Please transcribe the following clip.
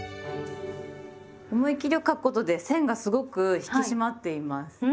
思い切り書くことで線がすごく引き締まっています。